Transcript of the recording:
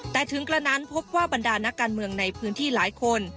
แต่ถึงกระนั้นพบว่าบรรดานักการเมืองในพื้นที่หลายคน